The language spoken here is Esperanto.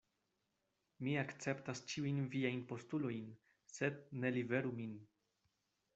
Mi akceptas ĉiujn viajn postulojn; sed ne liveru min.